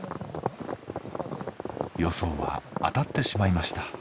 予想は当たってしまいました。